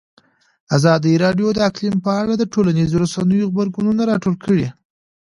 ازادي راډیو د اقلیم په اړه د ټولنیزو رسنیو غبرګونونه راټول کړي.